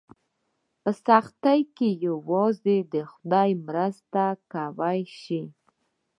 په سختۍ کې یوازې خدای مرسته کولی شي.